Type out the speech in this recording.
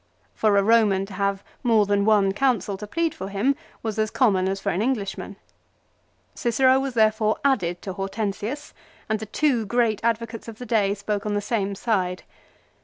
For a Roman to have more than one counsel to plead for him. was as common as for an Englishman. Cicero was therefore added to Hortensius, and the two great advocates of the day spoke on the same side.